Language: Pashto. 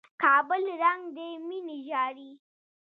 کابل ړنګ دى ميني ژاړي